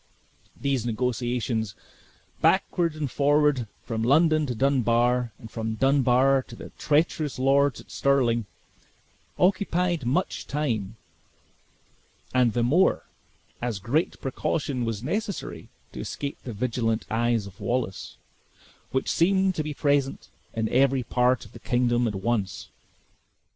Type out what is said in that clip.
These negotiations backward and forward from London to Dunbar, and from Dunbar to the treacherous lords at Stirling, occupied much time; and the more, as great precaution was necessary to escape the vigilant eyes of Wallace, which seemed to be present in every part of the kingdom at once.